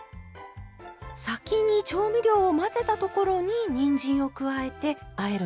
先に調味料を混ぜたところににんじんを加えてあえるんですね。